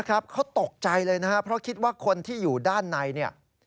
เขาตกใจเลยนะครับเพราะคิดว่าคนที่อยู่ด้านในเนี่ย